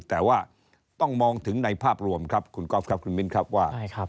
แต่ว่าต้องมองถึงในภาพรวมครับคุณก๊อฟครับคุณมิ้นครับว่า